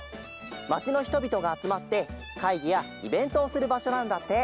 まちのひとびとがあつまってかいぎやイベントをするばしょなんだって。